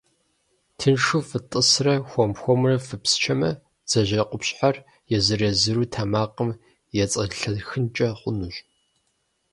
Тыншу фытӏысрэ хуэм-хуэмурэ фыпсчэмэ, бдзэжьей къупщхьэр езыр-езыру тэмакъым ецӏэнлъэхынкӏэ хъунущ.